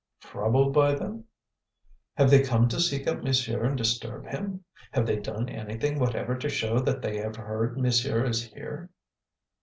"'Troubled' by them?" "Have they come to seek out monsieur and disturb him? Have they done anything whatever to show that they have heard monsieur is here?"